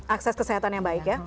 akses kesehatan yang baik ya